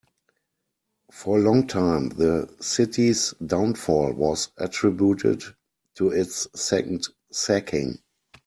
For a long time, the city's downfall was attributed to its second sacking.